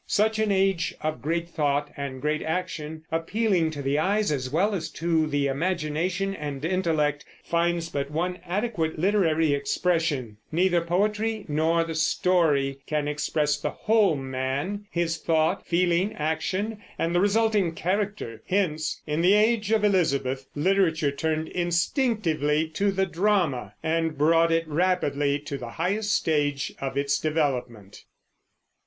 Such an age of great thought and great action, appealing to the eyes as well as to the imagination and intellect, finds but one adequate literary expression; neither poetry nor the story can express the whole man, his thought, feeling, action, and the resulting character; hence in the Age of Elizabeth literature turned instinctively to the drama and brought it rapidly to the highest stage of its development.